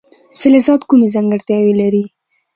فلزات کومې ځانګړتیاوې لري.